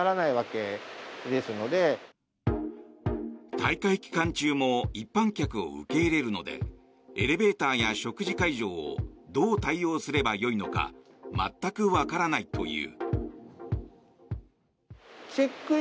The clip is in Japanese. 大会期間中も一般客を受け入れるのでエレベーターや食事会場をどう対応すればよいのか全くわからないという。